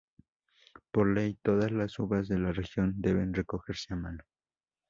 Por ley, todas las uvas de la región deben recogerse a mano.